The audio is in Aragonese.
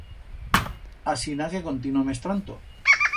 Asina que contino mestranto.